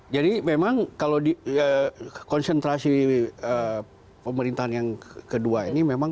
memang kalau konsentrasi pemerintahan yang kedua ini memang